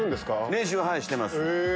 練習してます。